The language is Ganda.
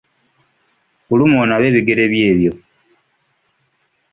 Fuluma onaabe ebigere byo ebyo.